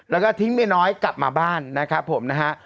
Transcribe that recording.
แล้วก็ทิ้งเมียน้อยกลับมาบ้านนะครับผมนะฮะ